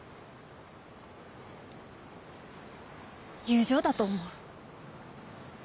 友情だと思う。